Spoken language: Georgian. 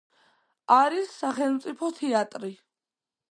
არის სახელმწიფო თეატრი.